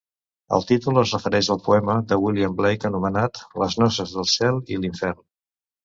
El títol es refereix al poema de William Blake anomenat "Les noces del cel i l'infern".